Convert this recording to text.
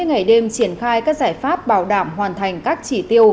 sáu mươi ngày đêm triển khai các giải pháp bảo đảm hoàn thành các chỉ tiêu